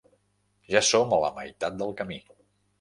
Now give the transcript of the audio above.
Ja som a la meitat del camí.